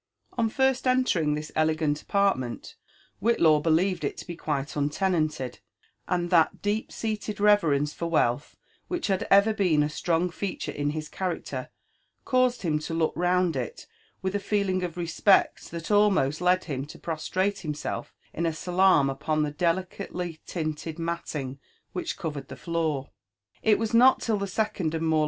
Od first entering this elegant apartment, Whitlaw believed it to bo quite untenanted, and that deep seated reverence for wealth which had ever been a strong feature in his character caused him to look round it with a feeling of respect that almost led him to prostrate himself in a salam upon the delicately tinted malting which covered the floor. It was not till the second and more.